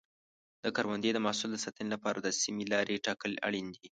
د کروندې د محصول د ساتنې لپاره د سمې لارې ټاکل اړین دي.